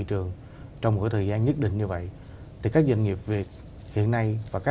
muốn thúc đẩy